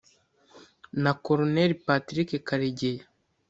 na Colonel Patrick Karegeya